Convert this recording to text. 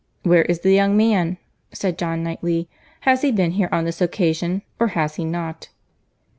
"Where is the young man?" said John Knightley. "Has he been here on this occasion—or has he not?"